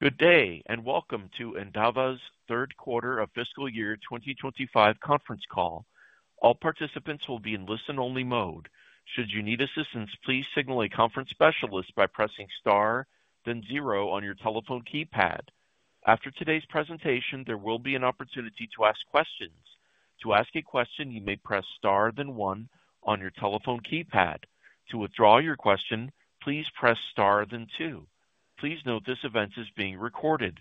Good day and welcome to Endava's Third Quarter of Fiscal Year 2025 conference call. All participants will be in listen-only mode. Should you need assistance, please signal a conference specialist by pressing star, then zero on your telephone keypad. After today's presentation, there will be an opportunity to ask questions. To ask a question, you may press star, then one on your telephone keypad. To withdraw your question, please press star, then two. Please note this event is being recorded.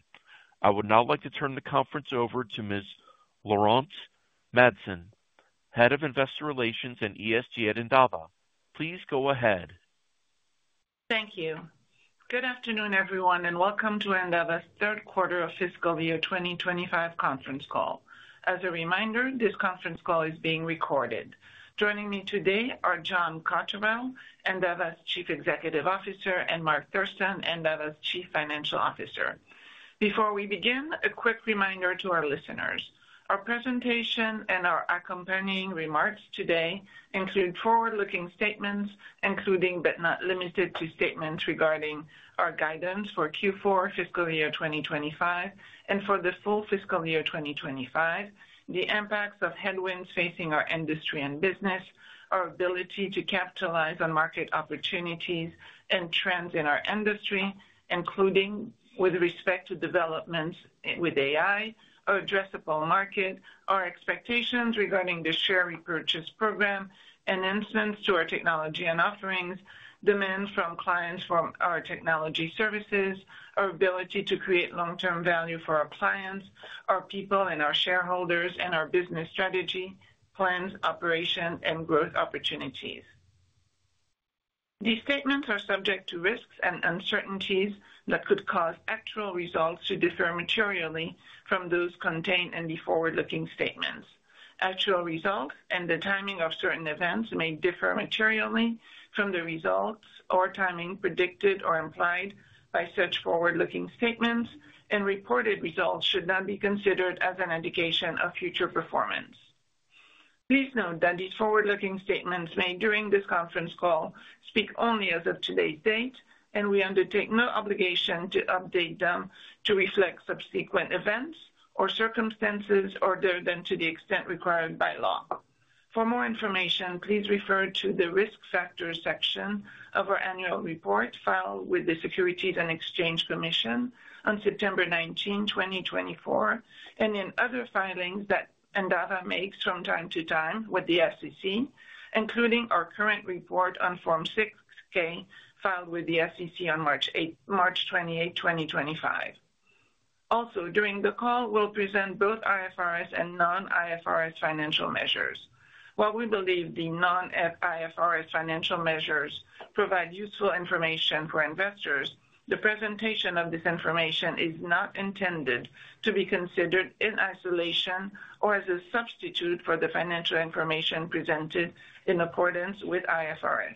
I would now like to turn the conference over to Ms. Laurence Madsen, Head of Investor Relations and ESG at Endava. Please go ahead. Thank you. Good afternoon, everyone, and welcome to Endava's Third Quarter of Fiscal Year 2025 Conference Call. As a reminder, this conference call is being recorded. Joining me today are John Cotterell, Endava's Chief Executive Officer, and Mark Thurston, Endava's Chief Financial Officer. Before we begin, a quick reminder to our listeners. Our presentation and our accompanying remarks today include forward-looking statements, including but not limited to statements regarding our guidance for Q4 Fiscal Year 2025 and for the full Fiscal Year 2025, the impacts of headwinds facing our industry and business, our ability to capitalize on market opportunities and trends in our industry, including with respect to developments with AI, our addressable market, our expectations regarding the share repurchase program, enhancements to our technology and offerings, demands from clients for our technology services, our ability to create long-term value for our clients, our people and our shareholders, and our business strategy, plans, operations, and growth opportunities. These statements are subject to risks and uncertainties that could cause actual results to differ materially from those contained in the forward-looking statements. Actual results and the timing of certain events may differ materially from the results or timing predicted or implied by such forward-looking statements, and reported results should not be considered as an indication of future performance. Please note that these forward-looking statements made during this conference call speak only as of today's date, and we undertake no obligation to update them to reflect subsequent events or circumstances other than to the extent required by law. For more information, please refer to the risk factors section of our annual report filed with the U.S. Securities and Exchange Commission on September 19, 2024, and in other filings that Endava makes from time to time with the SEC, including our current report on Form 6K filed with the SEC on March 28, 2025. Also, during the call, we'll present both IFRS and non-IFRS financial measures. While we believe the non-IFRS financial measures provide useful information for investors, the presentation of this information is not intended to be considered in isolation or as a substitute for the financial information presented in accordance with IFRS.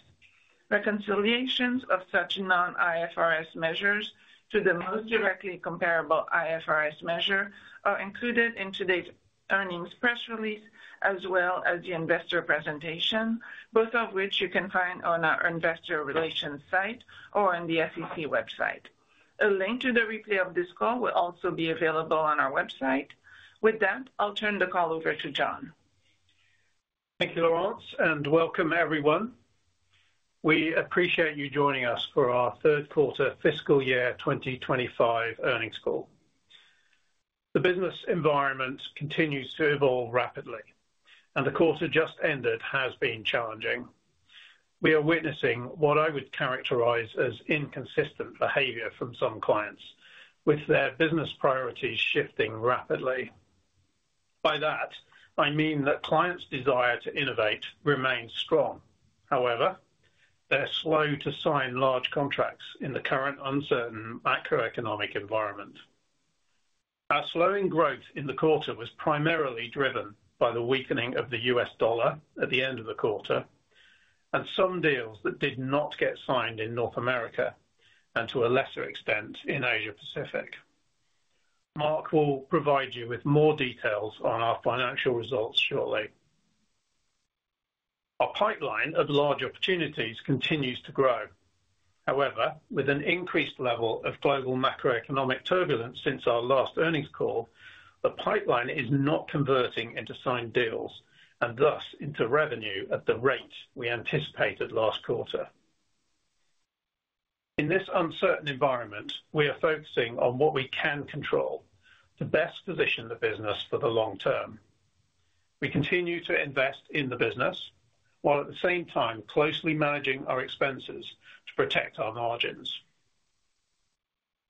Reconciliations of such non-IFRS measures to the most directly comparable IFRS measure are included in today's earnings press release as well as the investor presentation, both of which you can find on our investor relations site or on the SEC website. A link to the replay of this call will also be available on our website. With that, I'll turn the call over to John. Thank you, Laurence, and welcome, everyone. We appreciate you joining us for our Third Quarter Fiscal Year 2025 earnings call. The business environment continues to evolve rapidly, and the quarter just ended has been challenging. We are witnessing what I would characterize as inconsistent behavior from some clients, with their business priorities shifting rapidly. By that, I mean that clients' desire to innovate remains strong. However, they're slow to sign large contracts in the current uncertain macroeconomic environment. Our slowing growth in the quarter was primarily driven by the weakening of the U.S. dollar at the end of the quarter and some deals that did not get signed in North America and to a lesser extent in Asia Pacific. Mark will provide you with more details on our financial results shortly. Our pipeline of large opportunities continues to grow. However, with an increased level of global macroeconomic turbulence since our last earnings call, the pipeline is not converting into signed deals and thus into revenue at the rate we anticipated last quarter. In this uncertain environment, we are focusing on what we can control to best position the business for the long term. We continue to invest in the business while at the same time closely managing our expenses to protect our margins.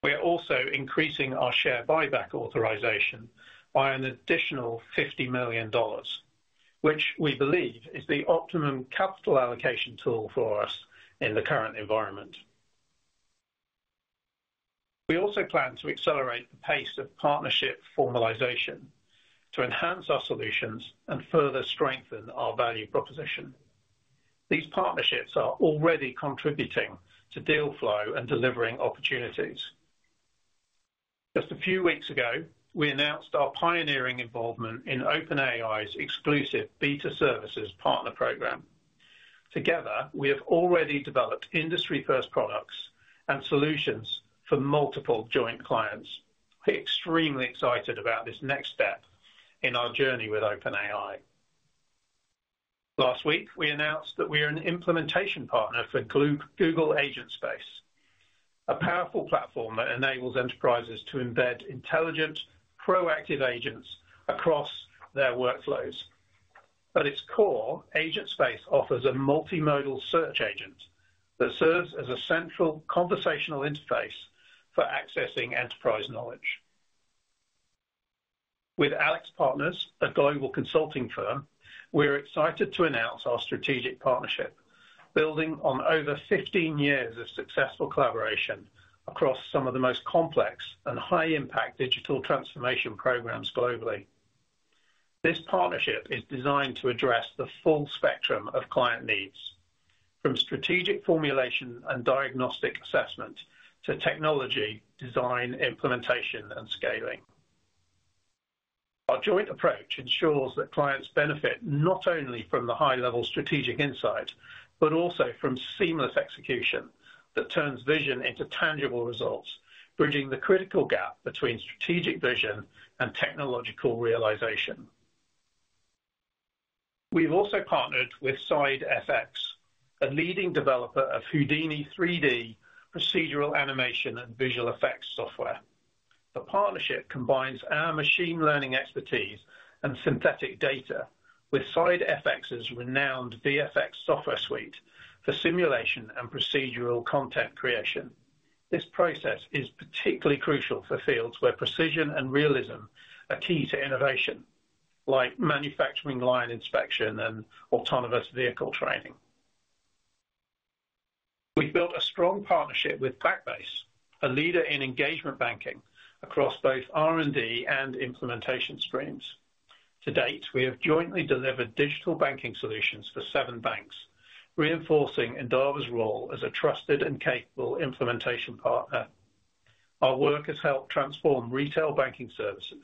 We are also increasing our share buyback authorization by an additional $50 million, which we believe is the optimum capital allocation tool for us in the current environment. We also plan to accelerate the pace of partnership formalization to enhance our solutions and further strengthen our value proposition. These partnerships are already contributing to deal flow and delivering opportunities. Just a few weeks ago, we announced our pioneering involvement in OpenAI's exclusive beta services partner program. Together, we have already developed industry-first products and solutions for multiple joint clients. We're extremely excited about this next step in our journey with OpenAI. Last week, we announced that we are an implementation partner for Google Agentspace, a powerful platform that enables enterprises to embed intelligent, proactive agents across their workflows. At its core, Agentspace offers a multimodal search agent that serves as a central conversational interface for accessing enterprise knowledge. With AlixPartners, a global consulting firm, we're excited to announce our strategic partnership, building on over 15 years of successful collaboration across some of the most complex and high-impact digital transformation programs globally. This partnership is designed to address the full spectrum of client needs, from strategic formulation and diagnostic assessment to technology, design, implementation, and scaling. Our joint approach ensures that clients benefit not only from the high-level strategic insight, but also from seamless execution that turns vision into tangible results, bridging the critical gap between strategic vision and technological realization. We have also partnered with SideFX, a leading developer of Houdini 3D procedural animation and visual effects software. The partnership combines our machine learning expertise and synthetic data with SideFX's renowned VFX software suite for simulation and procedural content creation. This process is particularly crucial for fields where precision and realism are key to innovation, like manufacturing line inspection and autonomous vehicle training. We have built a strong partnership with Backbase, a leader in engagement banking across both R&D and implementation streams. To date, we have jointly delivered digital banking solutions for seven banks, reinforcing Endava's role as a trusted and capable implementation partner. Our work has helped transform retail banking services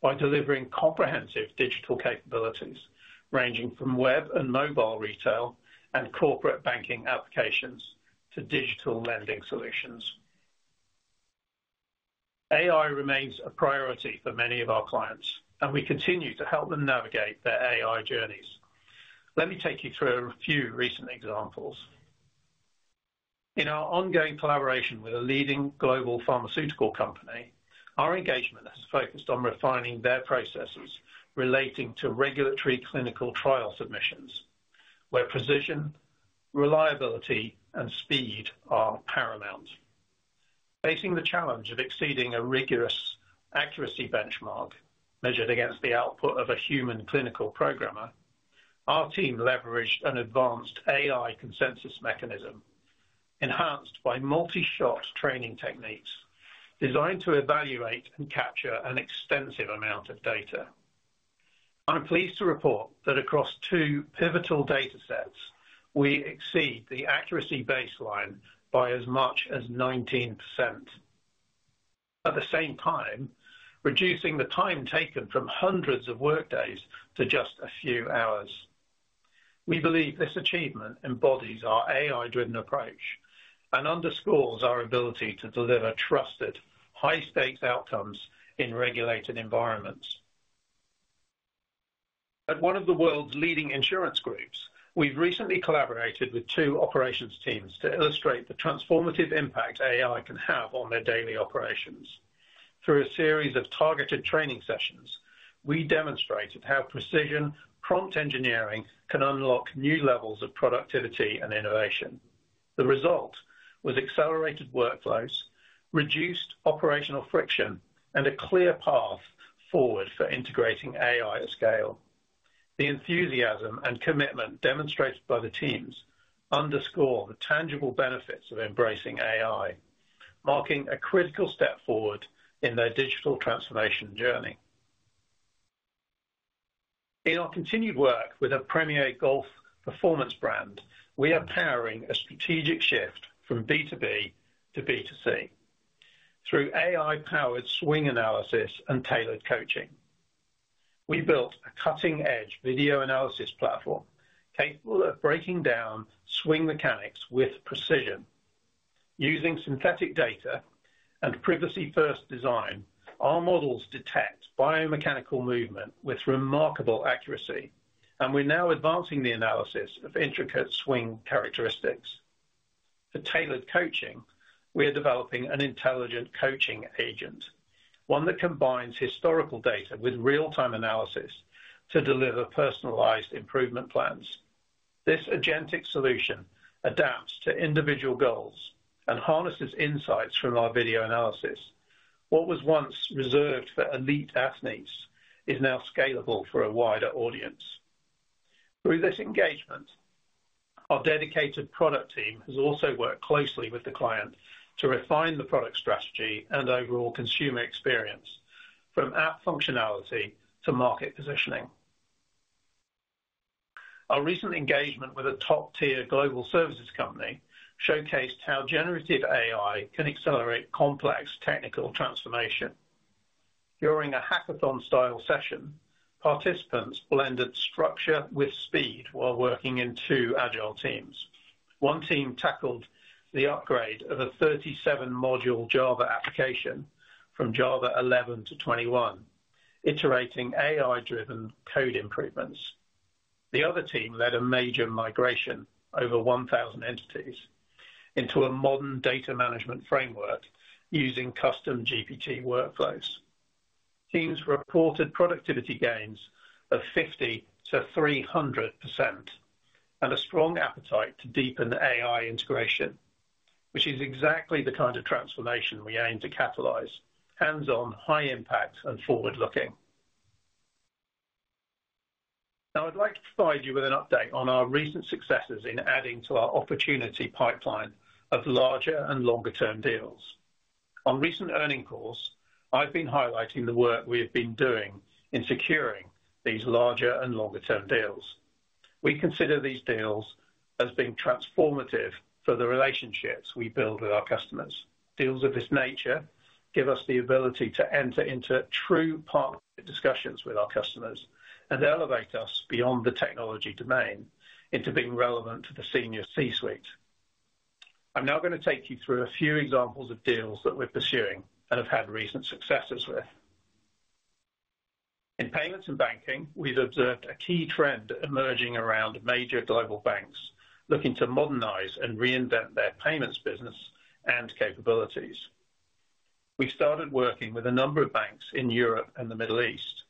by delivering comprehensive digital capabilities ranging from web and mobile retail and corporate banking applications to digital lending solutions. AI remains a priority for many of our clients, and we continue to help them navigate their AI journeys. Let me take you through a few recent examples. In our ongoing collaboration with a leading global pharmaceutical company, our engagement has focused on refining their processes relating to regulatory clinical trial submissions, where precision, reliability, and speed are paramount. Facing the challenge of exceeding a rigorous accuracy benchmark measured against the output of a human clinical programmer, our team leveraged an advanced AI consensus mechanism enhanced by multi-shot training techniques designed to evaluate and capture an extensive amount of data. I'm pleased to report that across two pivotal data sets, we exceed the accuracy baseline by as much as 19%. At the same time, reducing the time taken from hundreds of workdays to just a few hours. We believe this achievement embodies our AI-driven approach and underscores our ability to deliver trusted, high-stakes outcomes in regulated environments. At one of the world's leading insurance groups, we've recently collaborated with two operations teams to illustrate the transformative impact AI can have on their daily operations. Through a series of targeted training sessions, we demonstrated how precision, prompt engineering can unlock new levels of productivity and innovation. The result was accelerated workflows, reduced operational friction, and a clear path forward for integrating AI at scale. The enthusiasm and commitment demonstrated by the teams underscore the tangible benefits of embracing AI, marking a critical step forward in their digital transformation journey. In our continued work with a premier golf performance brand, we are powering a strategic shift from B2B to B2C through AI-powered swing analysis and tailored coaching. We built a cutting-edge video analysis platform capable of breaking down swing mechanics with precision. Using synthetic data and privacy-first design, our models detect biomechanical movement with remarkable accuracy, and we're now advancing the analysis of intricate swing characteristics. For tailored coaching, we are developing an intelligent coaching agent, one that combines historical data with real-time analysis to deliver personalized improvement plans. This agentic solution adapts to individual goals and harnesses insights from our video analysis. What was once reserved for elite athletes is now scalable for a wider audience. Through this engagement, our dedicated product team has also worked closely with the client to refine the product strategy and overall consumer experience, from app functionality to market positioning. Our recent engagement with a top-tier global services company showcased how generative AI can accelerate complex technical transformation. During a hackathon-style session, participants blended structure with speed while working in two agile teams. One team tackled the upgrade of a 37-module Java application from Java 11 to 21, iterating AI-driven code improvements. The other team led a major migration of over 1,000 entities into a modern data management framework using custom GPT workflows. Teams reported productivity gains of 50%-300% and a strong appetite to deepen AI integration, which is exactly the kind of transformation we aim to catalyze: hands-on, high-impact, and forward-looking. Now, I'd like to provide you with an update on our recent successes in adding to our opportunity pipeline of larger and longer-term deals. On recent earnings calls, I've been highlighting the work we have been doing in securing these larger and longer-term deals. We consider these deals as being transformative for the relationships we build with our customers. Deals of this nature give us the ability to enter into true partnership discussions with our customers and elevate us beyond the technology domain into being relevant to the senior C-suite. I'm now going to take you through a few examples of deals that we're pursuing and have had recent successes with. In payments and banking, we've observed a key trend emerging around major global banks looking to modernize and reinvent their payments business and capabilities. We've started working with a number of banks in Europe and the Middle East.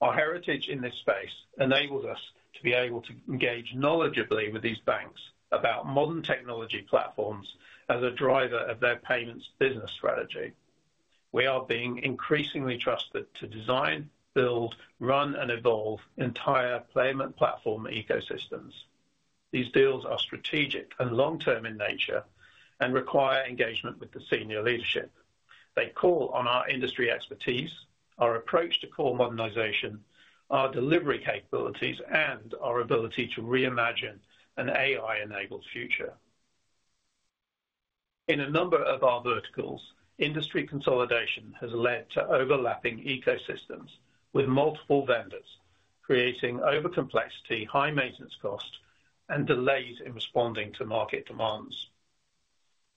Our heritage in this space enables us to be able to engage knowledgeably with these banks about modern technology platforms as a driver of their payments business strategy. We are being increasingly trusted to design, build, run, and evolve entire payment platform ecosystems. These deals are strategic and long-term in nature and require engagement with the senior leadership. They call on our industry expertise, our approach to core modernization, our delivery capabilities, and our ability to reimagine an AI-enabled future. In a number of our verticals, industry consolidation has led to overlapping ecosystems with multiple vendors, creating over-complexity, high-maintenance costs, and delays in responding to market demands.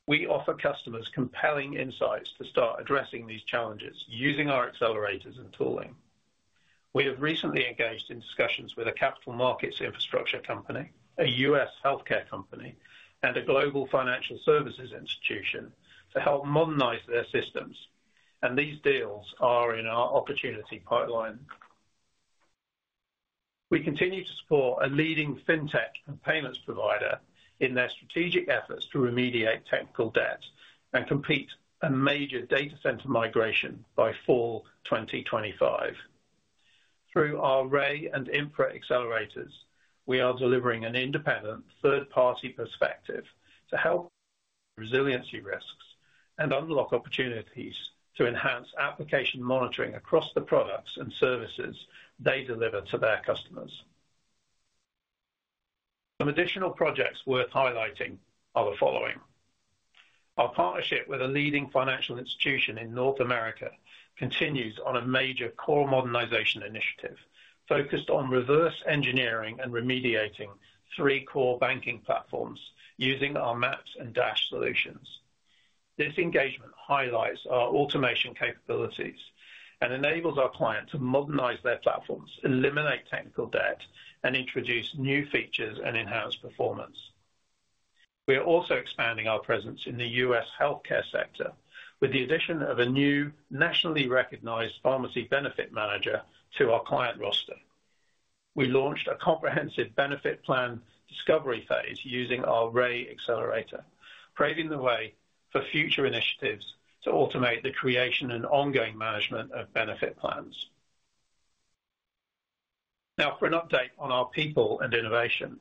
We offer customers compelling insights to start addressing these challenges using our accelerators and tooling. We have recently engaged in discussions with a capital markets infrastructure company, a US healthcare company, and a global financial services institution to help modernize their systems, and these deals are in our opportunity pipeline. We continue to support a leading fintech and payments provider in their strategic efforts to remediate technical debt and complete a major data center migration by fall 2025. Through our RAY and IMPRA accelerators, we are delivering an independent third-party perspective to help resiliency risks and unlock opportunities to enhance application monitoring across the products and services they deliver to their customers. Some additional projects worth highlighting are the following. Our partnership with a leading financial institution in North America continues on a major core modernization initiative focused on reverse engineering and remediating three core banking platforms using our Maps and Dash solutions. This engagement highlights our automation capabilities and enables our client to modernize their platforms, eliminate technical debt, and introduce new features and enhance performance. We are also expanding our presence in the U.S. healthcare sector with the addition of a new nationally recognized pharmacy benefit manager to our client roster. We launched a comprehensive benefit plan discovery phase using our RAY accelerator, paving the way for future initiatives to automate the creation and ongoing management of benefit plans. Now, for an update on our people and innovation,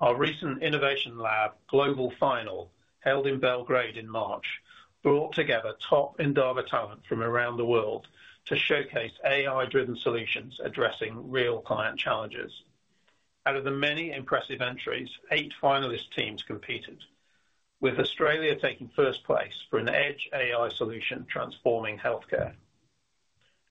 our recent innovation lab, Global Final, held in Belgrade in March, brought together top Endava talent from around the world to showcase AI-driven solutions addressing real client challenges. Out of the many impressive entries, eight finalist teams competed, with Australia taking first place for an edge AI solution transforming healthcare.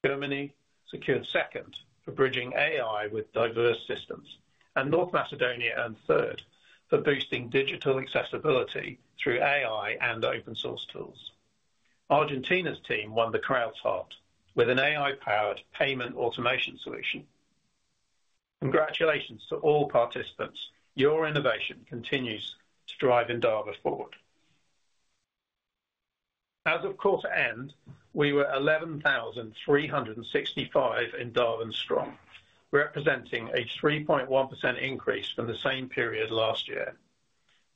Germany secured second for bridging AI with diverse systems, and North Macedonia earned third for boosting digital accessibility through AI and open-source tools. Argentina's team won the crowd's heart with an AI-powered payment automation solution. Congratulations to all participants. Your innovation continues to drive Endava forward. As of quarter end, we were 11,365 Endavan strong, representing a 3.1% increase from the same period last year.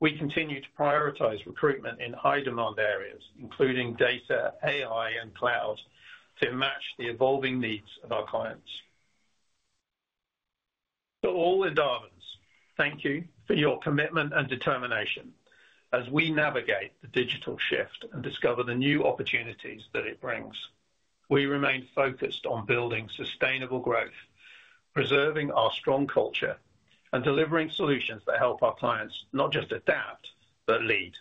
We continue to prioritize recruitment in high-demand areas, including data, AI, and cloud, to match the evolving needs of our clients. To all Endavans, thank you for your commitment and determination as we navigate the digital shift and discover the new opportunities that it brings. We remain focused on building sustainable growth, preserving our strong culture, and delivering solutions that help our clients not just adapt, but lead.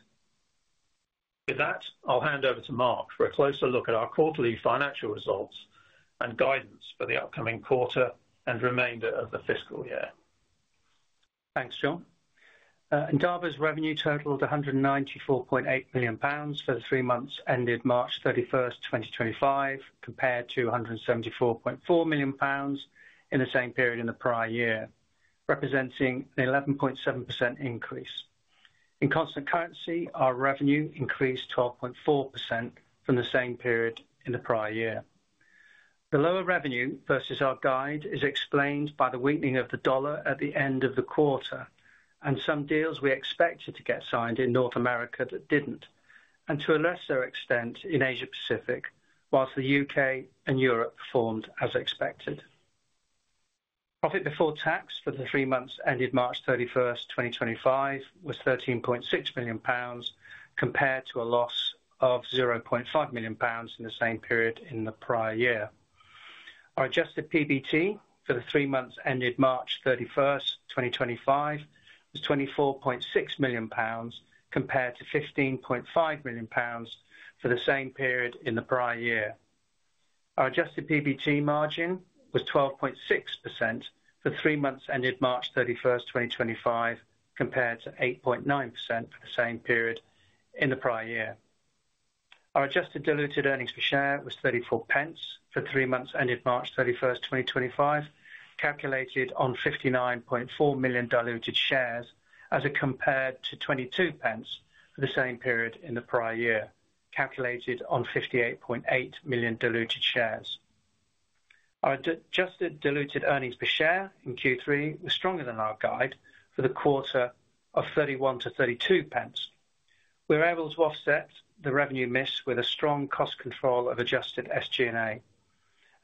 With that, I'll hand over to Mark for a closer look at our quarterly financial results and guidance for the upcoming quarter and remainder of the fiscal year. Thanks, John. Endava's revenue totaled 194.8 million pounds for the three months ended March 31st, 2025, compared to 174.4 million pounds in the same period in the prior year, representing an 11.7% increase. In constant currency, our revenue increased 12.4% from the same period in the prior year. The lower revenue versus our guide is explained by the weakening of the dollar at the end of the quarter and some deals we expected to get signed in North America that did not, and to a lesser extent in Asia-Pacific, whilst the U.K. and Europe performed as expected. Profit before tax for the three months ended March 31st, 2025, was 13.6 million pounds compared to a loss of 0.5 million pounds in the same period in the prior year. Our adjusted PBT for the three months ended March 31st, 2025, was 24.6 million pounds compared to 15.5 million pounds for the same period in the prior year. Our adjusted PBT margin was 12.6% for the three months ended March 31st, 2025, compared to 8.9% for the same period in the prior year. Our adjusted diluted earnings per share was 0.34 for the three months ended March 31st, 2025, calculated on 59.4 million diluted shares as compared to 0.22 for the same period in the prior year, calculated on 58.8 million diluted shares. Our adjusted diluted earnings per share in Q3 was stronger than our guide for the quarter of 0.31-0.32. We were able to offset the revenue miss with a strong cost control of adjusted SG&A.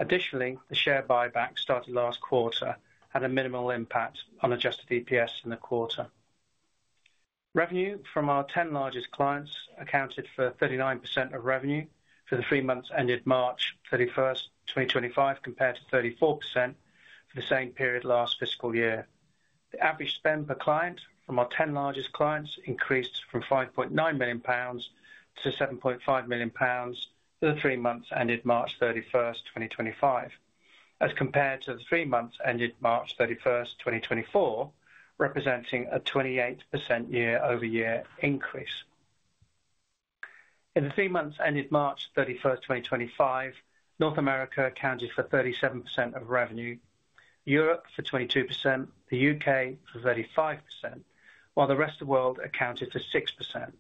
Additionally, the share buyback started last quarter had a minimal impact on adjusted EPS in the quarter. Revenue from our 10 largest clients accounted for 39% of revenue for the three months ended March 31st, 2025, compared to 34% for the same period last fiscal year. The average spend per client from our 10 largest clients increased from 5.9 million pounds to 7.5 million pounds for the three months ended March 31st, 2025, as compared to the three months ended March 31st, 2024, representing a 28% year-over-year increase. In the three months ended March 31st, 2025, North America accounted for 37% of revenue, Europe for 22%, the U.K. for 35%, while the rest of the world accounted for 6%.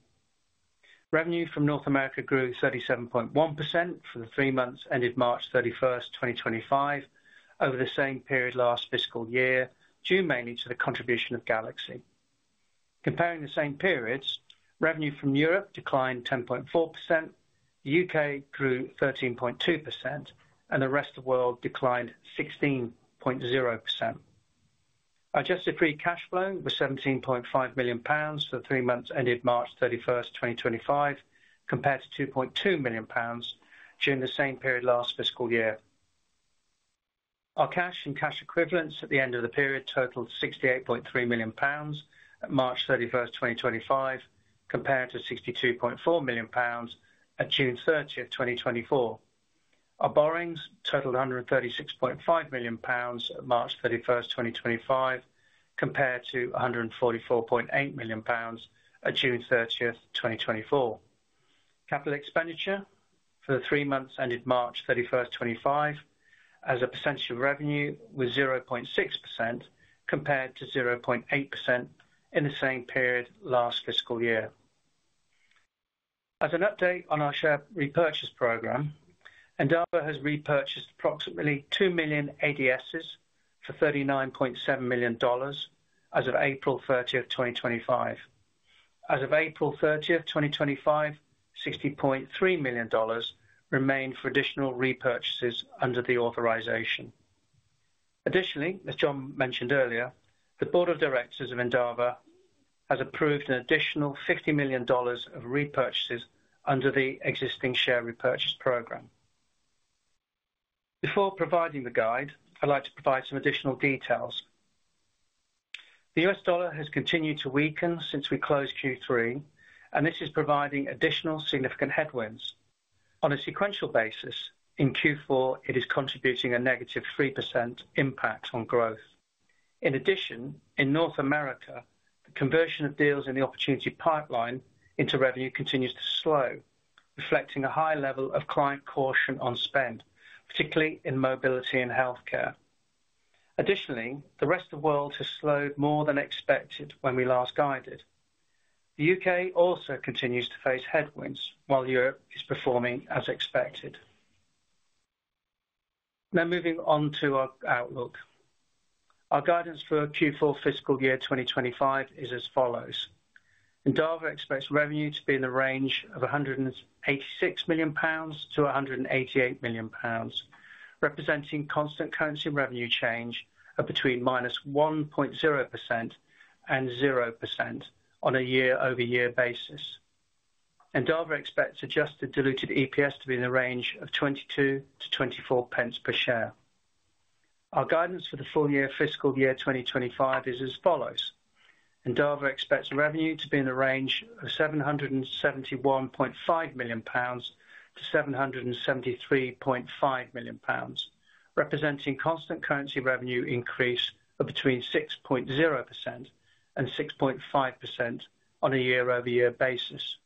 Revenue from North America grew 37.1% for the three months ended March 31, 2025, over the same period last fiscal year, due mainly to the contribution of Galaxy. Comparing the same periods, revenue from Europe declined 10.4%, the U.K. grew 13.2%, and the rest of the world declined 16.0%. Our adjusted free cash flow was 17.5 million pounds for the three months ended March 31st, 2025, compared to 2.2 million pounds during the same period last fiscal year. Our cash and cash equivalents at the end of the period totaled 68.3 million pounds at March 31st, 2025, compared to 62.4 million pounds at June 30th, 2024. Our borrowings totaled 136.5 million pounds at March 31st, 2025, compared to 144.8 million pounds at June 30th, 2024. Capital expenditure for the three months ended March 31st, 2025, as a percentage of revenue, was 0.6% compared to 0.8% in the same period last fiscal year. As an update on our share repurchase program, Endava has repurchased approximately 2 million ADSs for $39.7 million as of April 30th, 2025. As of April 30th, 2025, $60.3 million remained for additional repurchases under the authorization. Additionally, as John mentioned earlier, the Board of Directors of Endava has approved an additional $50 million of repurchases under the existing share repurchase program. Before providing the guide, I'd like to provide some additional details. The U.S. dollar has continued to weaken since we closed Q3, and this is providing additional significant headwinds. On a sequential basis, in Q4, it is contributing a negative 3% impact on growth. In addition, in North America, the conversion of deals in the opportunity pipeline into revenue continues to slow, reflecting a high level of client caution on spend, particularly in mobility and healthcare. Additionally, the rest of the world has slowed more than expected when we last guided. The U.K. also continues to face headwinds while Europe is performing as expected. Now, moving on to our outlook. Our guidance for Q4 fiscal year 2025 is as follows. Endava expects revenue to be in the range of 186 million-188 million pounds, representing constant currency revenue change of between -1.0% and 0% on a year-over-year basis. Endava expects adjusted diluted EPS to be in the range of 0.22 - 0.24 per share. Our guidance for the full year fiscal year 2025 is as follows. Endava expects revenue to be in the range of 771.5 million-773.5 million pounds, representing constant currency revenue increase of between 6.0% and 6.5% on a year-over-year basis.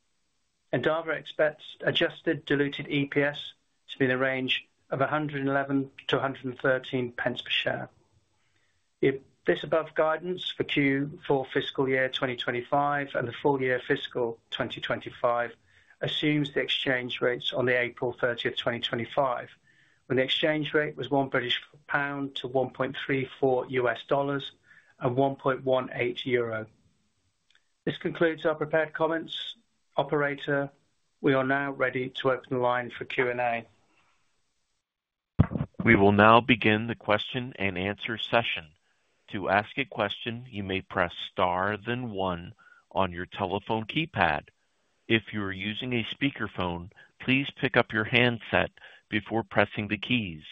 Endava expects adjusted diluted EPS to be in the range of 111-113 pence per share. This above guidance for Q4 fiscal year 2025 and the full year fiscal 2025 assumes the exchange rates on April 30th, 2025, when the exchange rate was 1.04 British pound to $1.34 and 1.18 euro. This concludes our prepared comments. Operator, we are now ready to open the line for Q&A. We will now begin the question and answer session. To ask a question, you may press star then one on your telephone keypad. If you are using a speakerphone, please pick up your handset before pressing the keys.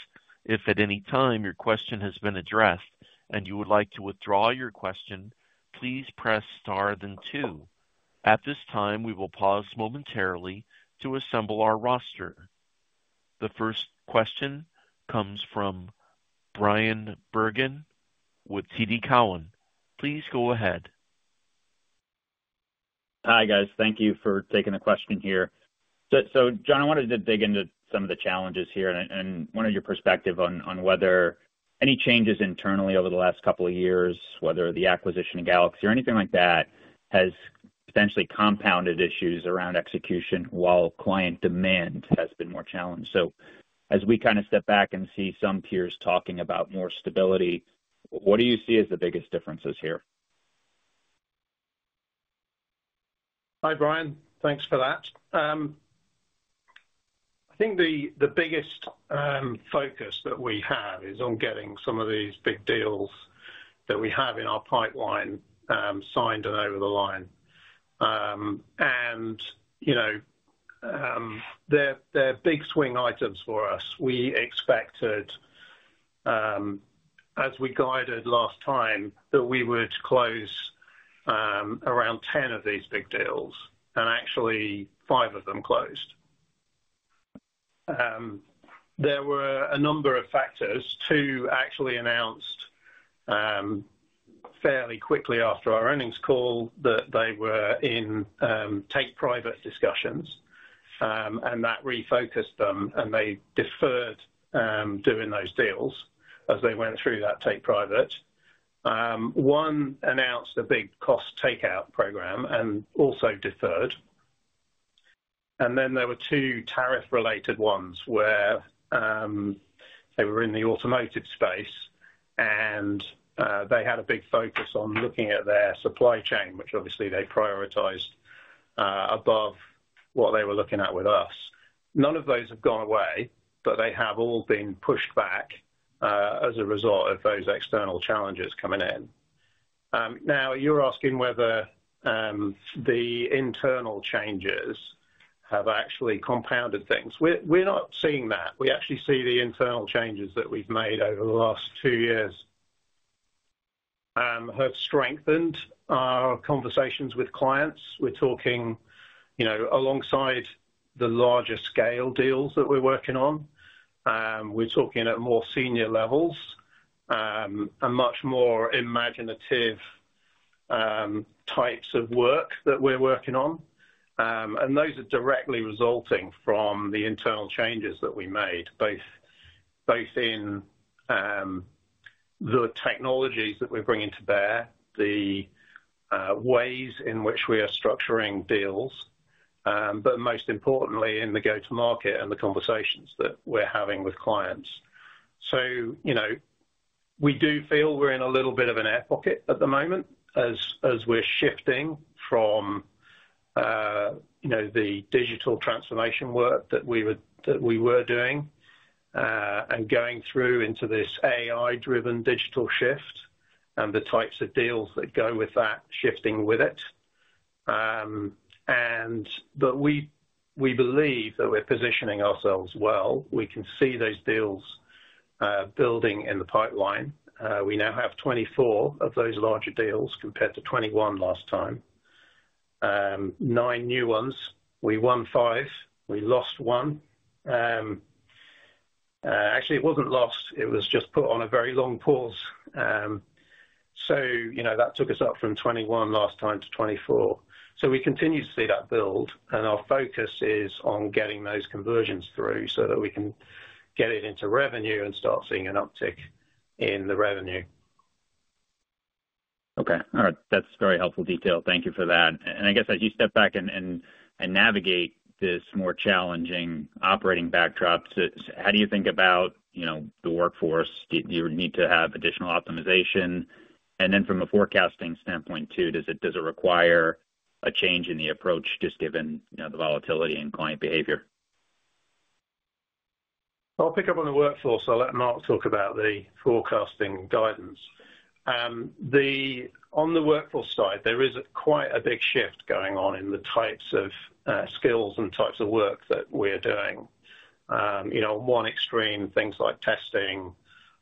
If at any time your question has been addressed and you would like to withdraw your question, please press star then two. At this time, we will pause momentarily to assemble our roster. The first question comes from Brian Bergen with TD Cowen. Please go ahead. Hi guys. Thank you for taking the question here. John, I wanted to dig into some of the challenges here and wanted your perspective on whether any changes internally over the last couple of years, whether the acquisition of Galaxy or anything like that, has potentially compounded issues around execution while client demand has been more challenged. As we kind of step back and see some peers talking about more stability, what do you see as the biggest differences here? Hi, Brian. Thanks for that. I think the biggest focus that we have is on getting some of these big deals that we have in our pipeline signed and over the line. They are big swing items for us. We expected, as we guided last time, that we would close around 10 of these big deals, and actually five of them closed. There were a number of factors. Two actually announced fairly quickly after our earnings call that they were in take-private discussions, and that refocused them, and they deferred doing those deals as they went through that take-private. One announced a big cost takeout program and also deferred. There were two tariff-related ones where they were in the automotive space, and they had a big focus on looking at their supply chain, which obviously they prioritized above what they were looking at with us. None of those have gone away, but they have all been pushed back as a result of those external challenges coming in. Now, you're asking whether the internal changes have actually compounded things. We're not seeing that. We actually see the internal changes that we've made over the last two years have strengthened our conversations with clients. We're talking alongside the larger scale deals that we're working on. We're talking at more senior levels and much more imaginative types of work that we're working on. Those are directly resulting from the internal changes that we made, both in the technologies that we're bringing to bear, the ways in which we are structuring deals, but most importantly, in the go-to-market and the conversations that we're having with clients. We do feel we're in a little bit of an air pocket at the moment as we're shifting from the digital transformation work that we were doing and going through into this AI-driven digital shift and the types of deals that go with that, shifting with it. We believe that we're positioning ourselves well. We can see those deals building in the pipeline. We now have 24 of those larger deals compared to 21 last time. Nine new ones. We won five. We lost one. Actually, it wasn't lost. It was just put on a very long pause. That took us up from 21 last time to 24. We continue to see that build, and our focus is on getting those conversions through so that we can get it into revenue and start seeing an uptick in the revenue. Okay. All right. That's very helpful detail. Thank you for that. I guess as you step back and navigate this more challenging operating backdrop, how do you think about the workforce? Do you need to have additional optimization? From a forecasting standpoint too, does it require a change in the approach just given the volatility in client behavior? I'll pick up on the workforce. I'll let Mark talk about the forecasting guidance. On the workforce side, there is quite a big shift going on in the types of skills and types of work that we are doing. On one extreme, things like testing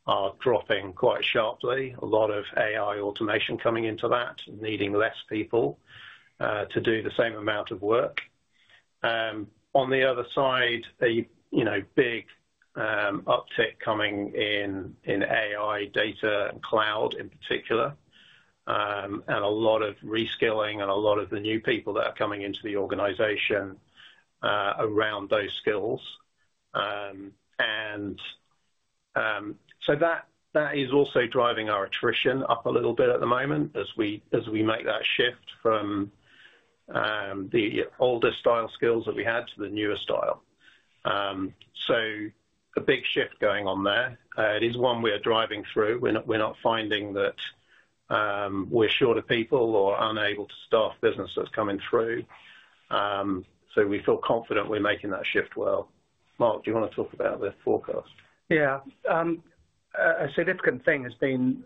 are dropping quite sharply. A lot of AI automation coming into that, needing fewer people to do the same amount of work. On the other side, a big uptick coming in AI data and cloud in particular, and a lot of reskilling and a lot of the new people that are coming into the organization around those skills. That is also driving our attrition up a little bit at the moment as we make that shift from the older style skills that we had to the newer style. A big shift going on there. It is one we are driving through. We're not finding that we're short of people or unable to staff business that's coming through. We feel confident we're making that shift well. Mark, do you want to talk about the forecast? Yeah. A significant thing has been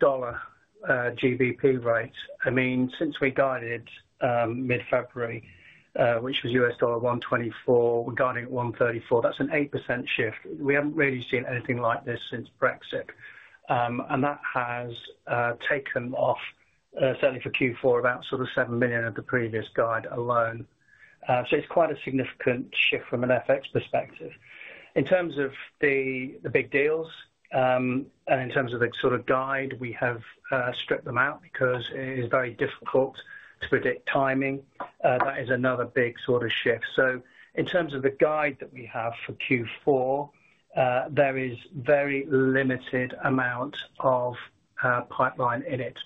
dollar GBP rates. I mean, since we guided mid-February, which was $1.24, we're guiding at $1.34. That's an 8% shift. We have not really seen anything like this since Brexit. That has taken off, certainly for Q4, about 7 million of the previous guide alone. It is quite a significant shift from an FX perspective. In terms of the big deals and in terms of the sort of guide, we have stripped them out because it is very difficult to predict timing. That is another big sort of shift. In terms of the guide that we have for Q4, there is a very limited amount of pipeline in it.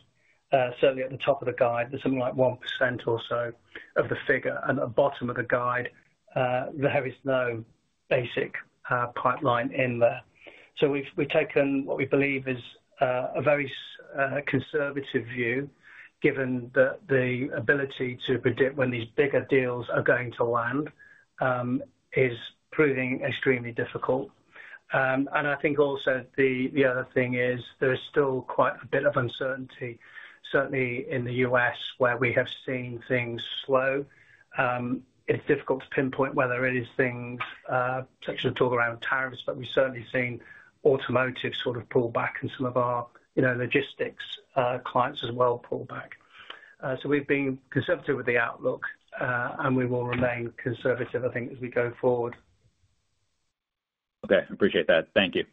Certainly, at the top of the guide, there is something like 1% or so of the figure. At the bottom of the guide, there is no basic pipeline in there. So, we've taken what we believe is a very conservative view, given that the ability to predict when these bigger deals are going to land is proving extremely difficult. I think also the other thing is there is still quite a bit of uncertainty, certainly in the U.S., where we have seen things slow. It's difficult to pinpoint whether it is things such as the talk around tariffs, but we've certainly seen automotive sort of pull back and some of our logistics clients as well pull back. We've been conservative with the outlook, and we will remain conservative, I think, as we go forward. Okay. Appreciate that. Thank you.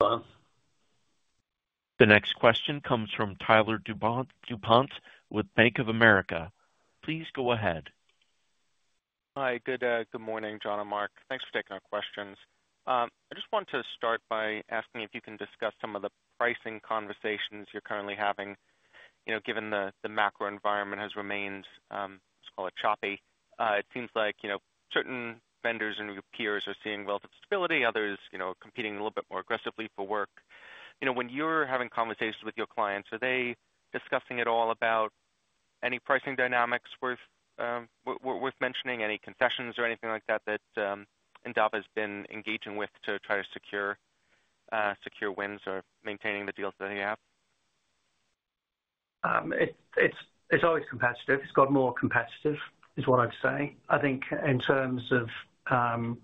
The next question comes from Tyler Dupont with Bank of America. Please go ahead. Hi. Good morning, John and Mark. Thanks for taking our questions. I just want to start by asking if you can discuss some of the pricing conversations you're currently having, given the macro environment has remained, let's call it choppy. It seems like certain vendors and your peers are seeing relative stability, others competing a little bit more aggressively for work. When you're having conversations with your clients, are they discussing at all about any pricing dynamics worth mentioning, any concessions or anything like that that Endava has been engaging with to try to secure wins or maintaining the deals that you have? It's always competitive. It's got more competitive, is what I'd say. I think in terms of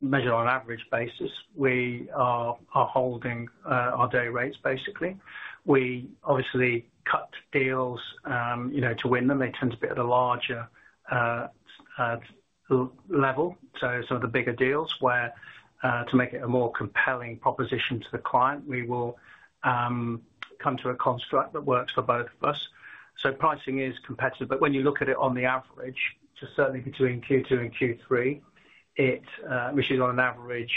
measured on an average basis, we are holding our day rates, basically. We obviously cut deals to win them. They tend to be at a larger level. Some of the bigger deals, where to make it a more compelling proposition to the client, we will come to a construct that works for both of us. Pricing is competitive. When you look at it on the average, just certainly between Q2 and Q3, which is on an average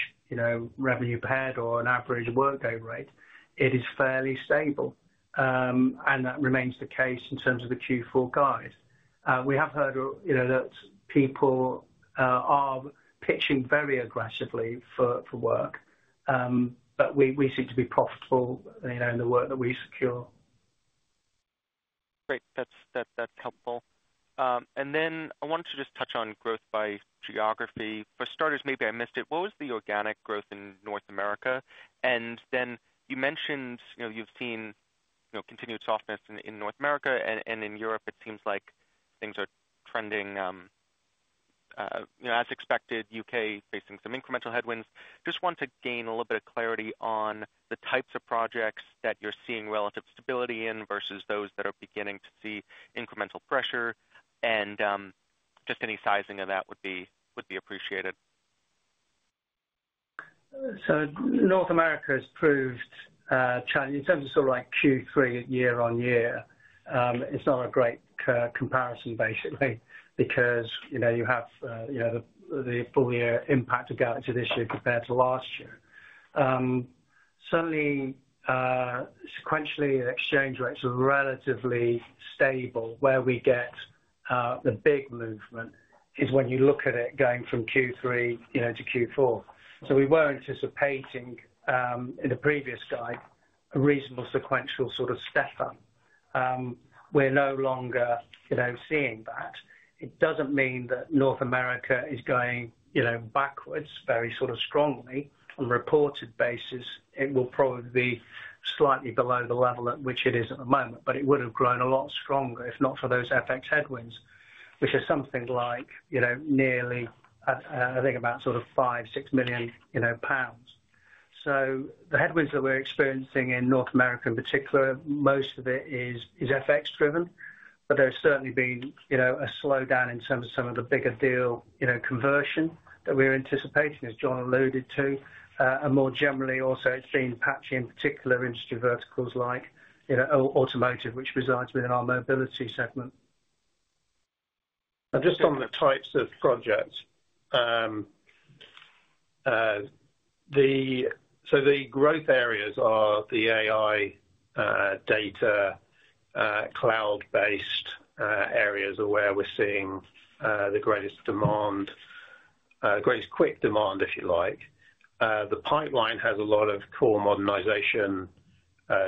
revenue pair or an average workover rate, it is fairly stable. That remains the case in terms of the Q4 guide. We have heard that people are pitching very aggressively for work, but we seem to be profitable in the work that we secure. Great. That's helpful. I wanted to just touch on growth by geography. For starters, maybe I missed it. What was the organic growth in North America? You mentioned you've seen continued softness in North America. In Europe, it seems like things are trending as expected, U.K. facing some incremental headwinds. Just want to gain a little bit of clarity on the types of projects that you're seeing relative stability in versus those that are beginning to see incremental pressure. Any sizing of that would be appreciated. North America has proved in terms of sort of like Q3 year-over-year, it's not a great comparison, basically, because you have the full year impact of Galaxy this year compared to last year. Certainly, sequentially, exchange rates are relatively stable. Where we get the big movement is when you look at it going from Q3 to Q4. We were anticipating in the previous guide a reasonable sequential sort of step up. We're no longer seeing that. It doesn't mean that North America is going backwards very sort of strongly. On a reported basis, it will probably be slightly below the level at which it is at the moment, but it would have grown a lot stronger if not for those FX headwinds, which are something like nearly, I think, about sort of 5 million-6 million pounds. The headwinds that we're experiencing in North America in particular, most of it is FX driven, but there's certainly been a slowdown in terms of some of the bigger deal conversion that we're anticipating, as John alluded to. More generally also, it's been patchy in particular industry verticals like automotive, which resides within our mobility segment. Just on the types of projects, the growth areas are the AI data, cloud-based areas are where we're seeing the greatest demand, greatest quick demand, if you like. The pipeline has a lot of core modernization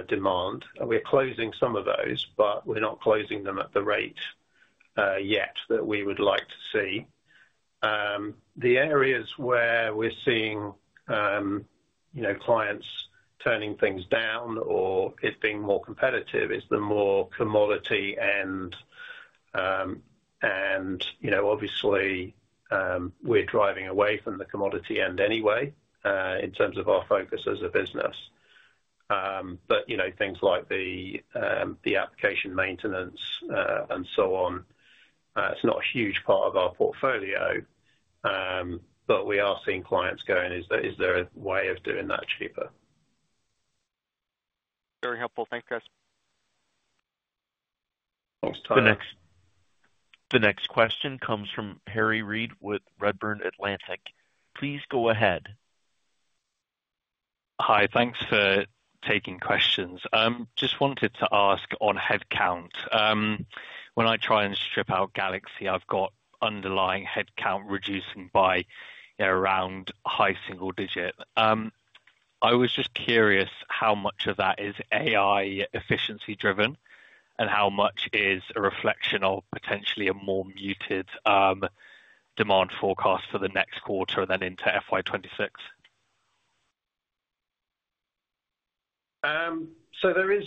demand. We're closing some of those, but we're not closing them at the rate yet that we would like to see. The areas where we're seeing clients turning things down or it being more competitive is the more commodity end. Obviously, we're driving away from the commodity end anyway in terms of our focus as a business. Things like the application maintenance and so on, it's not a huge part of our portfolio, but we are seeing clients going, "Is there a way of doing that cheaper?" Very helpful. Thanks, guys. Thanks, Tyler. The next question comes from Harry Read with Redburn Atlantic. Please go ahead. Hi. Thanks for taking questions. Just wanted to ask on headcount. When I try and strip out Galaxy, I've got underlying headcount reducing by around high single digit. I was just curious how much of that is AI efficiency driven and how much is a reflection of potentially a more muted demand forecast for the next quarter and then into FY 2026? There is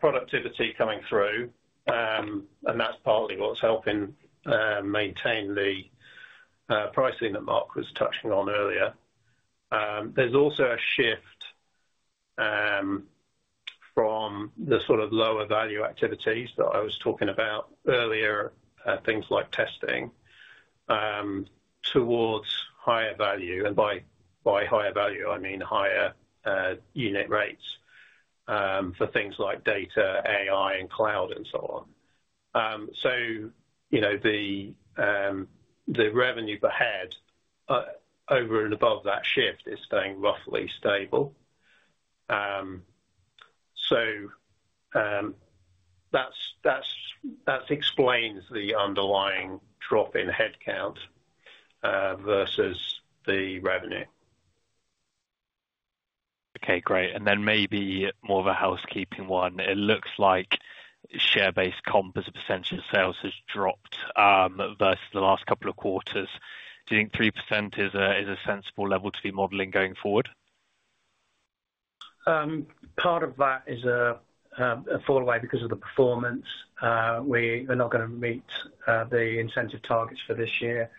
productivity coming through, and that's partly what's helping maintain the pricing that Mark was touching on earlier. There's also a shift from the sort of lower value activities that I was talking about earlier, things like testing, towards higher value. By higher value, I mean higher unit rates for things like data, AI, and cloud, and so on. The revenue per head over and above that shift is staying roughly stable. That explains the underlying drop in headcount versus the revenue. Okay. Great. Maybe more of a housekeeping one. It looks like share-based comp as a percentage of sales has dropped versus the last couple of quarters. Do you think 3% is a sensible level to be modeling going forward? Part of that is a fall away because of the performance. We are not going to meet the incentive targets for this year.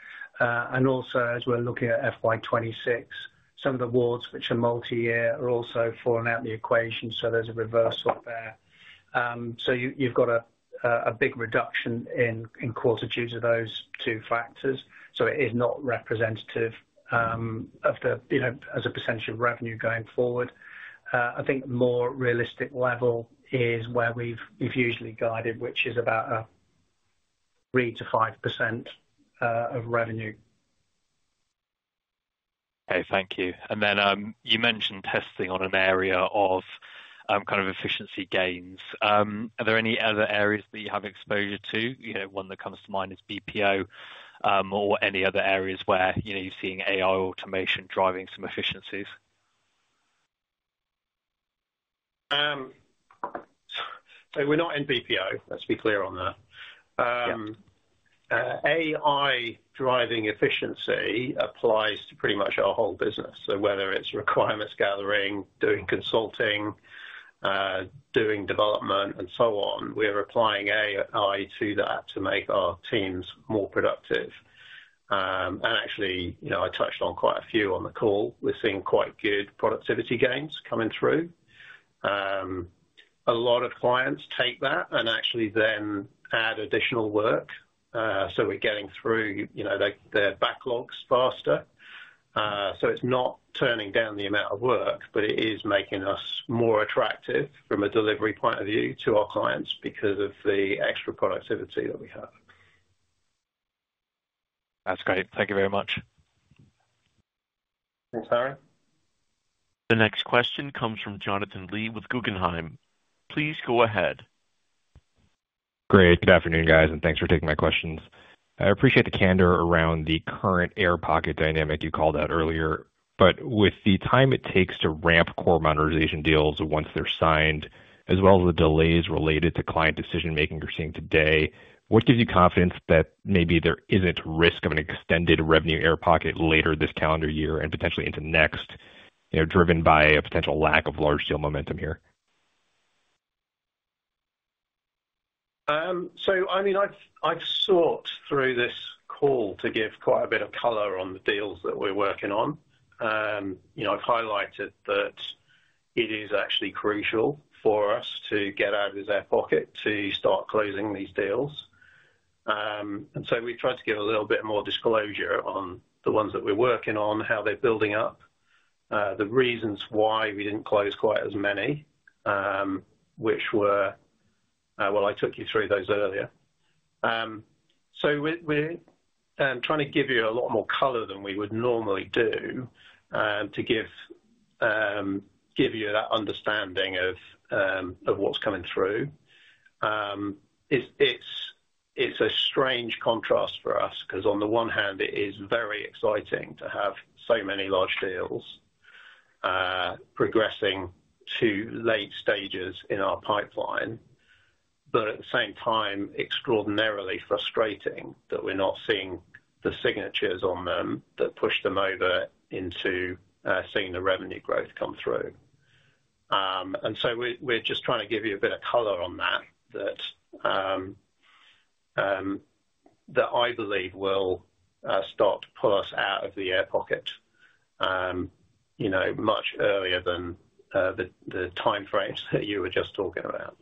Also, as we're looking at FY 2026, some of the awards which are multi-year are also falling out of the equation, so there's a reversal there. You have a big reduction in quarter due to those two factors. It is not representative of the as a percentage of revenue going forward. I think more realistic level is where we've usually guided, which is about a 3%-5% of revenue. Okay. Thank you. You mentioned testing on an area of kind of efficiency gains. Are there any other areas that you have exposure to? One that comes to mind is BPO or any other areas where you're seeing AI automation driving some efficiencies? We're not in BPO. Let's be clear on that. AI driving efficiency applies to pretty much our whole business. Whether it's requirements gathering, doing consulting, doing development, and so on, we're applying AI to that to make our teams more productive. I touched on quite a few on the call. We're seeing quite good productivity gains coming through. A lot of clients take that and actually then add additional work. We're getting through their backlogs faster. It's not turning down the amount of work, but it is making us more attractive from a delivery point of view to our clients because of the extra productivity that we have. That's great. Thank you very much. Thanks, Harry. The next question comes from Jonathan Lee with Guggenheim. Please go ahead. Great. Good afternoon, guys, and thanks for taking my questions. I appreciate the candor around the current air pocket dynamic you called out earlier. With the time it takes to ramp core modernization deals once they're signed, as well as the delays related to client decision-making you're seeing today, what gives you confidence that maybe there isn't risk of an extended revenue air pocket later this calendar year and potentially into next, driven by a potential lack of large-scale momentum here? I mean, I've sought through this call to give quite a bit of color on the deals that we're working on. I've highlighted that it is actually crucial for us to get out of this air pocket to start closing these deals. We have tried to give a little bit more disclosure on the ones that we are working on, how they are building up, the reasons why we did not close quite as many, which were, I took you through those earlier. We are trying to give you a lot more color than we would normally do to give you that understanding of what is coming through. It is a strange contrast for us because, on the one hand, it is very exciting to have so many large deals progressing to late stages in our pipeline, but at the same time, extraordinarily frustrating that we are not seeing the signatures on them that push them over into seeing the revenue growth come through. We're just trying to give you a bit of color on that that I believe will start to pull us out of the air pocket much earlier than the time frames that you were just talking about.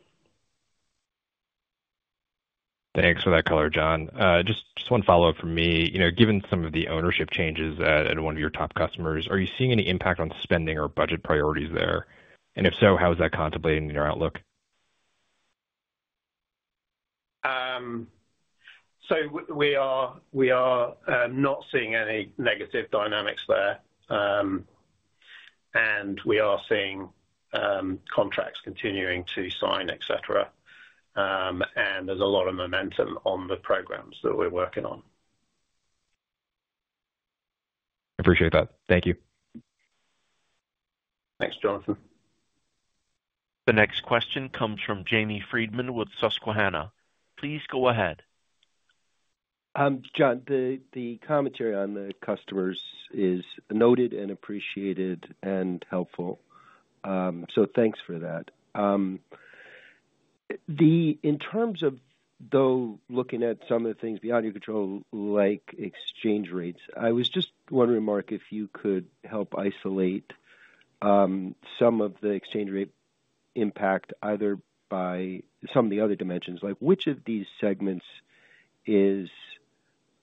Thanks for that color, John. Just one follow-up from me. Given some of the ownership changes at one of your top customers, are you seeing any impact on spending or budget priorities there? If so, how is that contemplated in your outlook? We are not seeing any negative dynamics there. We are seeing contracts continuing to sign, etc. There is a lot of momentum on the programs that we're working on. I appreciate that. Thank you. Thanks, Jonathan. The next question comes from Jamie Friedman with Susquehanna. Please go ahead. John, the commentary on the customers is noted and appreciated and helpful. Thanks for that. In terms of, though, looking at some of the things beyond your control, like exchange rates, I was just wondering, Mark, if you could help isolate some of the exchange rate impact either by some of the other dimensions. Which of these segments is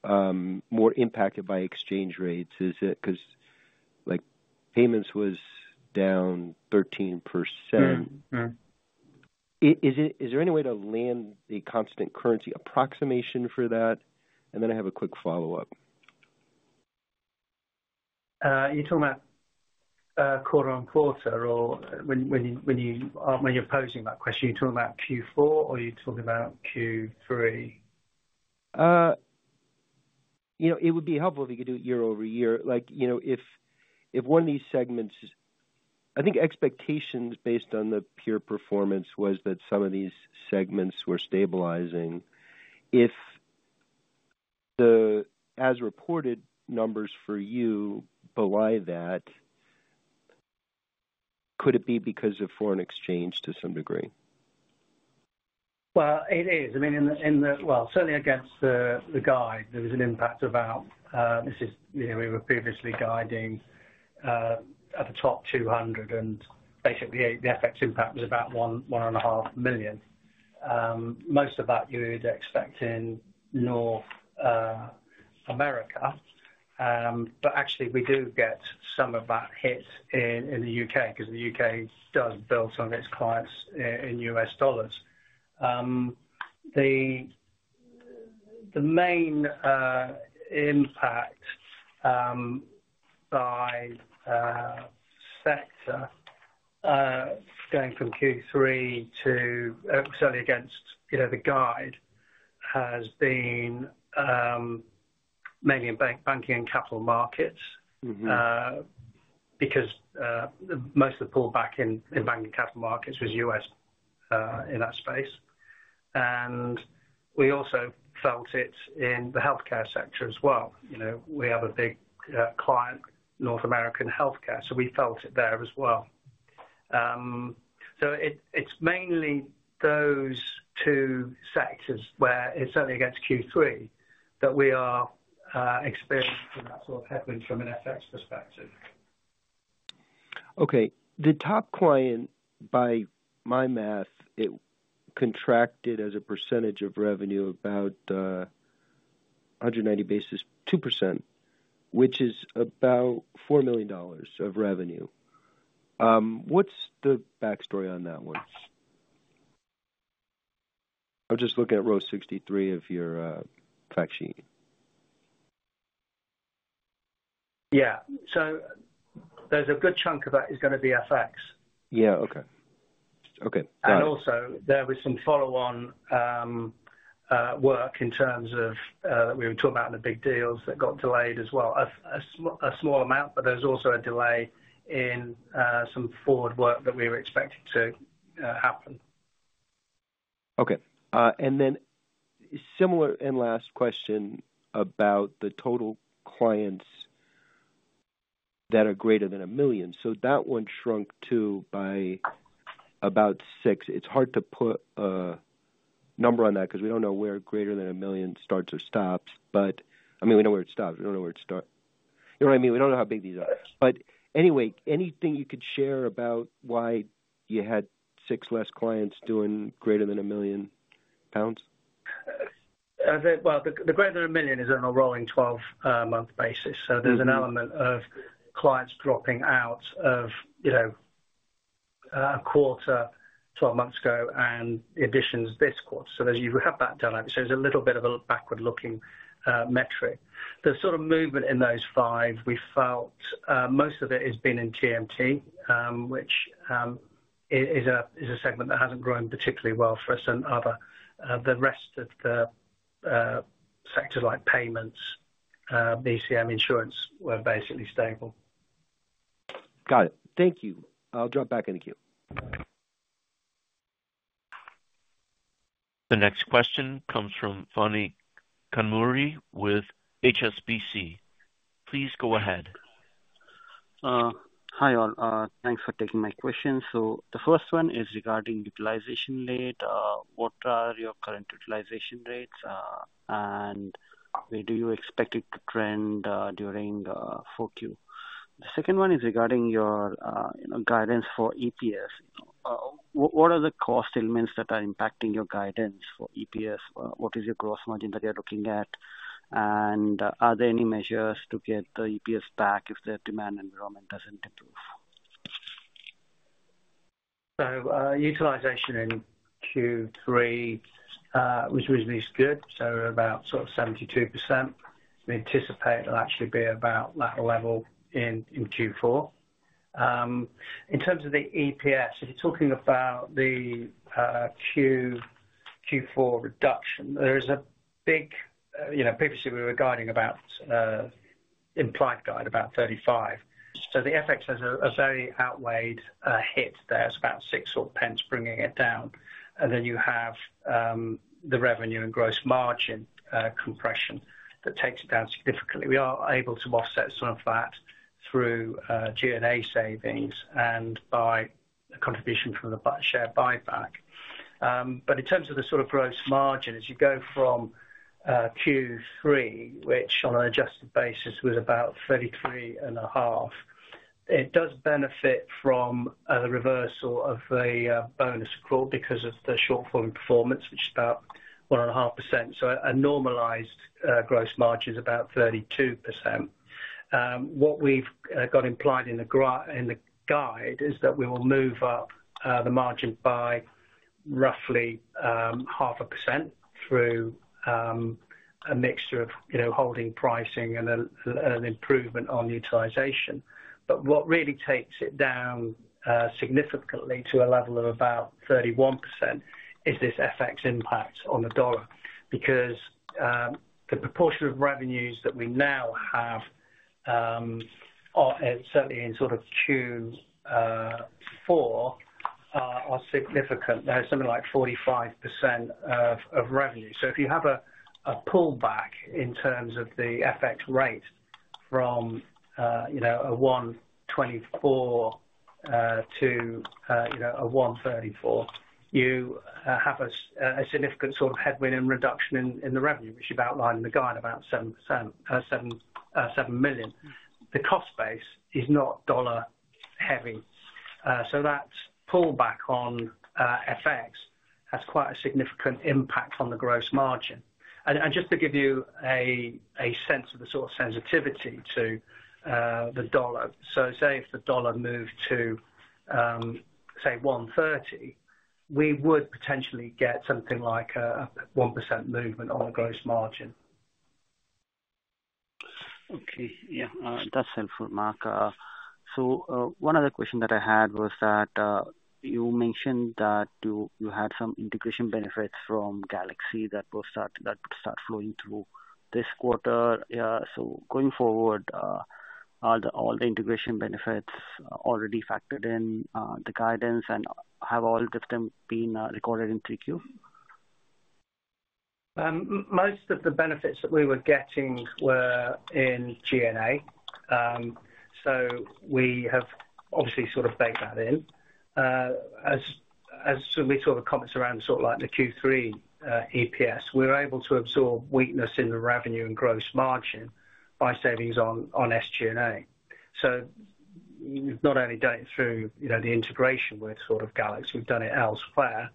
more impacted by exchange rates? Because payments was down 13%. Is there any way to land a constant currency approximation for that? I have a quick follow-up. You're talking about quarter on quarter or when you're posing that question, you're talking about Q4 or you're talking about Q3? It would be helpful if you could do it year-over-year. If one of these segments, I think expectations based on the pure performance was that some of these segments were stabilizing. If the as-reported numbers for you belie that, could it be because of foreign exchange to some degree? It is. I mean, certainly against the guide, there was an impact about this is we were previously guiding at the top 200, and basically, the FX impact was about $1.5 million. Most of that, you would expect in North America. Actually, we do get some of that hit in the U.K. because the U.K. does bill some of its clients in U.S. dollars. The main impact by sector going from Q3 to certainly against the guide has been mainly in banking and capital markets because most of the pullback in banking capital markets was U.S. in that space. We also felt it in the healthcare sector as well. We have a big client, North American healthcare, so we felt it there as well. It is mainly those two sectors where it is certainly against Q3 that we are experiencing that sort of headwind from an FX perspective. Okay. The top client, by my math, it contracted as a percentage of revenue about 190 basis points, which is about $4 million of revenue. What is the backstory on that one? I am just looking at row 63 of your fact sheet. Yeah. There is a good chunk of that that is going to be FX. Yeah. Okay. Okay. Got it. Also, there was some follow-on work in terms of that we were talking about in the big deals that got delayed as well. A small amount, but there is also a delay in some forward work that we were expected to happen. Okay. Then similar and last question about the total clients that are greater than a million. That one shrunk too by about six. It's hard to put a number on that because we do not know where greater than a million starts or stops. I mean, we know where it stops. We do not know where it starts. You know what I mean? We do not know how big these are. Anyway, anything you could share about why you had six less clients doing greater than 1 million pounds? The greater than 1 million is on a rolling 12-month basis. There is an element of clients dropping out of a quarter 12 months ago and additions this quarter. As you have that down, it is a little bit of a backward-looking metric. The sort of movement in those five, we felt most of it has been in TMT, which is a segment that has not grown particularly well for us, and the rest of the sectors like payments, BCM, insurance were basically stable. Got it. Thank you. I'll drop back into Q. The next question comes from Phani Kanumuri with HSBC. Please go ahead. Hi, all. Thanks for taking my question. The first one is regarding utilization rate. What are your current utilization rates, and where do you expect it to trend during 4Q? The second one is regarding your guidance for EPS. What are the cost elements that are impacting your guidance for EPS? What is your gross margin that you're looking at? Are there any measures to get the EPS back if the demand environment doesn't improve? Utilization in Q3 was reasonably good, so about 72%. We anticipate it'll actually be about that level in Q4. In terms of the EPS, if you're talking about the Q4 reduction, previously, we were guiding about implied guide, about 35. The FX has a very outweighed hit there. It is about 0.6 bringing it down. Then you have the revenue and gross margin compression that takes it down significantly. We are able to offset some of that through G&A savings and by contribution from the share buyback. In terms of the sort of gross margin, as you go from Q3, which on an adjusted basis was about 33.5%, it does benefit from a reversal of the bonus accrual because of the shortfall in performance, which is about 1.5%. A normalized gross margin is about 32%. What we have got implied in the guide is that we will move up the margin by roughly half a percent through a mixture of holding pricing and an improvement on utilization. What really takes it down significantly to a level of about 31% is this FX impact on the dollar because the proportion of revenues that we now have, certainly in sort of Q4, are significant. There is something like 45% of revenue. If you have a pullback in terms of the FX rate from 1.24 to 1.34, you have a significant sort of headwind and reduction in the revenue, which you have outlined in the guide, about $7 million. The cost base is not dollar-heavy. That pullback on FX has quite a significant impact on the gross margin. Just to give you a sense of the sort of sensitivity to the dollar, if the dollar moved to, say, 1.30, we would potentially get something like a 1% movement on the gross margin. Okay. Yeah. That is helpful, Mark. One other question that I had was that you mentioned that you had some integration benefits from Galaxy that would start flowing through this quarter. Going forward, are all the integration benefits already factored in the guidance, and have all of them been recorded in 3Q? Most of the benefits that we were getting were in G&A. We have obviously sort of baked that in. As we saw the comments around the Q3 EPS, we were able to absorb weakness in the revenue and gross margin by savings on SG&A. We have not only done it through the integration with Galaxy, we have done it elsewhere.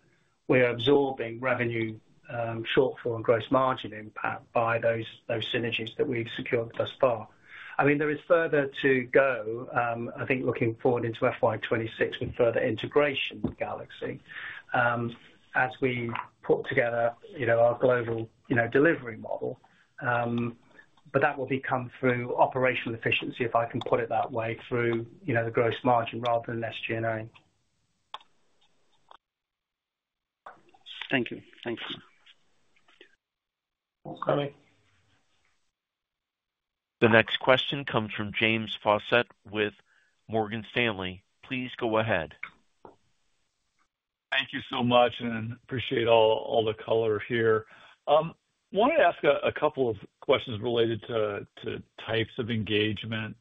We are absorbing revenue shortfall and gross margin impact by those synergies that we have secured thus far. I mean, there is further to go, I think, looking forward into FY 2026 with further integration with Galaxy as we put together our global delivery model. That will become through operational efficiency, if I can put it that way, through the gross margin rather than SG&A.Thank you. Thanks, Mark. Thanks, Tommy. The next question comes from James Fawcett with Morgan Stanley. Please go ahead. Thank you so much, and appreciate all the color here. I wanted to ask a couple of questions related to types of engagement.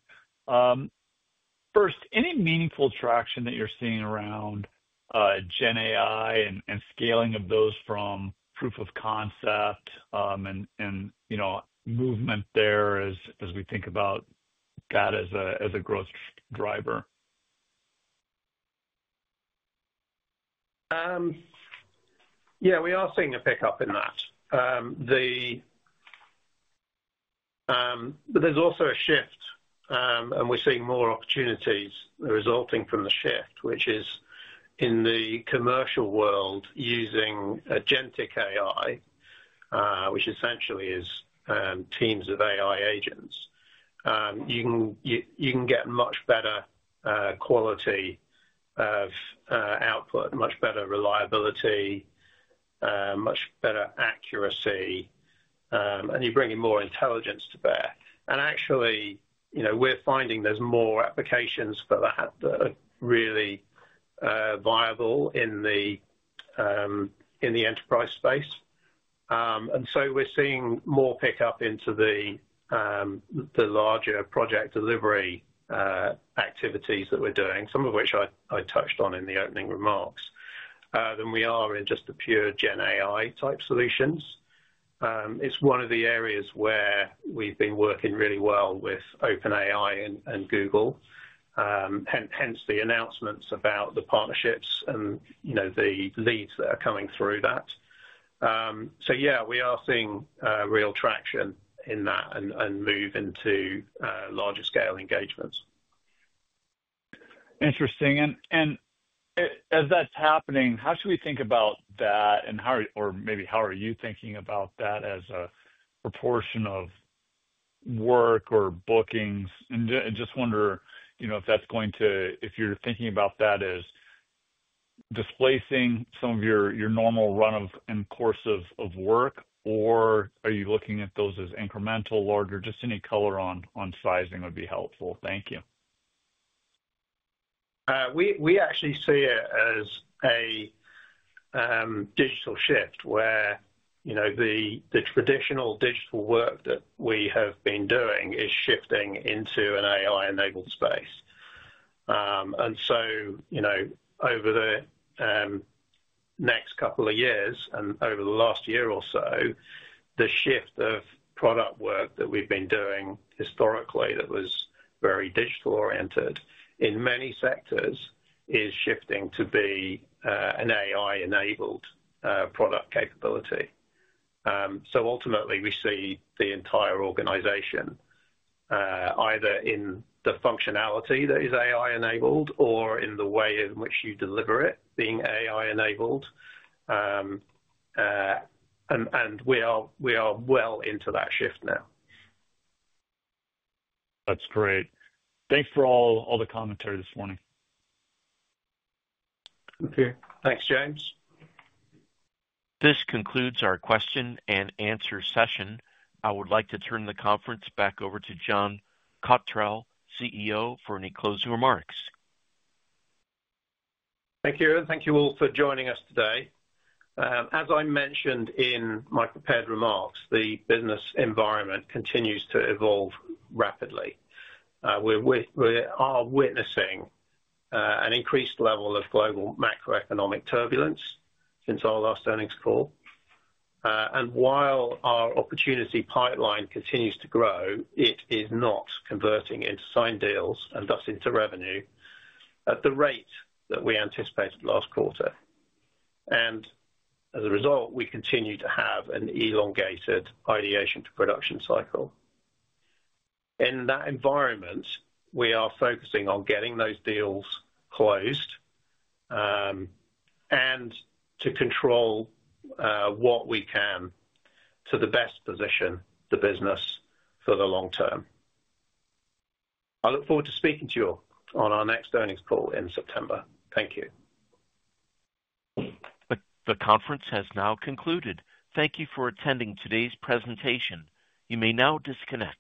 First, any meaningful traction that you're seeing around GenAI and scaling of those from proof of concept and movement there as we think about that as a growth driver? Yeah. We are seeing a pickup in that. There is also a shift, and we are seeing more opportunities resulting from the shift, which is in the commercial world using agentic AI, which essentially is teams of AI agents. You can get much better quality of output, much better reliability, much better accuracy, and you are bringing more intelligence to bear. Actually, we are finding there are more applications for that that are really viable in the enterprise space. We are seeing more pickup into the larger project delivery activities that we are doing, some of which I touched on in the opening remarks, than we are in just the pure GenAI type solutions. It is one of the areas where we have been working really well with OpenAI and Google, hence the announcements about the partnerships and the leads that are coming through that. Yeah, we are seeing real traction in that and move into larger scale engagements. Interesting. As that's happening, how should we think about that, or maybe how are you thinking about that as a proportion of work or bookings? I just wonder if that's going to, if you're thinking about that as displacing some of your normal run and course of work, or are you looking at those as incremental or just any color on sizing would be helpful? Thank you. We actually see it as a digital shift where the traditional digital work that we have been doing is shifting into an AI-enabled space. Over the next couple of years and over the last year or so, the shift of product work that we've been doing historically that was very digital-oriented in many sectors is shifting to be an AI-enabled product capability. Ultimately, we see the entire organization either in the functionality that is AI-enabled or in the way in which you deliver it being AI-enabled. We are well into that shift now. That's great. Thanks for all the commentary this morning. Thank you. Thanks, James. This concludes our question and answer session. I would like to turn the conference back over to John Cotterell, CEO, for any closing remarks. Thank you. Thank you all for joining us today. As I mentioned in my prepared remarks, the business environment continues to evolve rapidly. We are witnessing an increased level of global macroeconomic turbulence since our last earnings call. While our opportunity pipeline continues to grow, it is not converting into signed deals and thus into revenue at the rate that we anticipated last quarter. As a result, we continue to have an elongated ideation to production cycle. In that environment, we are focusing on getting those deals closed and to control what we can to the best position the business for the long term. I look forward to speaking to you all on our next earnings call in September. Thank you. The conference has now concluded. Thank you for attending today's presentation. You may now disconnect.